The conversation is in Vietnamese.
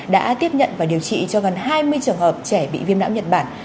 đã tiếp nhận và điều trị cho gần hai mươi trường hợp trẻ bị viêm não nhật bản